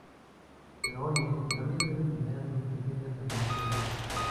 Pero oye, la vida debe tener sus pequeñas emociones!